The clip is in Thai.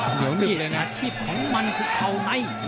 เนียวเนึกเลยนะหักที่ของมันคือเข้าใน